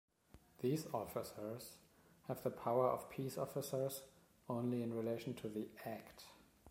These officers have the power of peace officers only in relation to the "Act".